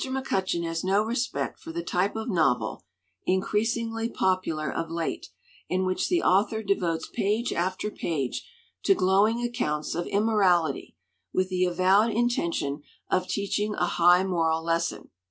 McCutcheon has no respect for the type of novel, increasingly popular of late, in which the author devotes page after page to glowing ac counts of immorality with the avowed intention of teaching a high moral lesson.